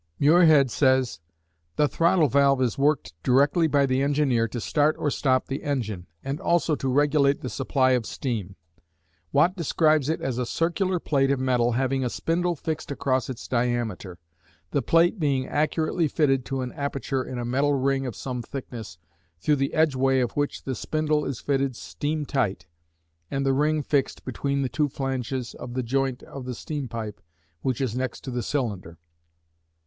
Muirhead says: The throttle valve is worked directly by the engineer to start or stop the engine, and also to regulate the supply of steam. Watt describes it as a circular plate of metal, having a spindle fixed across its diameter, the plate being accurately fitted to an aperture in a metal ring of some thickness, through the edgeway of which the spindle is fitted steam tight, and the ring fixed between the two flanches of the joint of the steam pipe which is next to the cylinder.